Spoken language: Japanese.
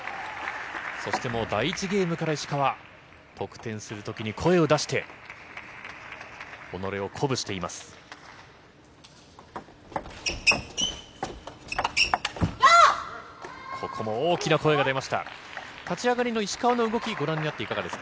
そしてもう第１ゲームから石川、得点するときに声を出して、己を鼓舞しています。